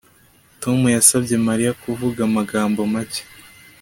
Tom yasabye Mariya kuvuga amagambo make